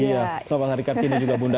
iya selamat hari kartini juga bunda